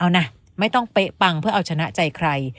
เอานะไม่ต้องเป๊ะปังเพื่อเอาชนะใจใคร